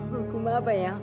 hukuman apa ya